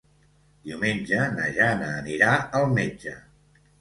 Diumenge na Jana anirà al metge.